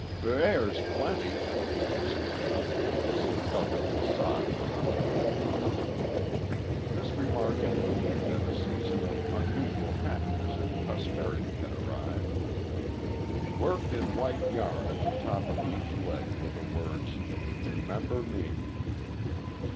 "B bears plenty!" he exclaimed, as he felt of the socks and looked them over. This remark indicated that a season of unusual happiness and prosperity had arrived. Worked in white yarn at the top of each leg were the words, "Remember me."